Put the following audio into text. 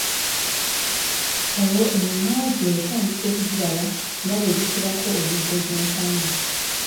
Olwo emimwa gye otandika okugiraba nga bwe gikirako emigo gy'entamu.